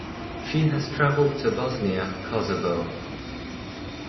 She has traveled to Bosnia, Kosovo.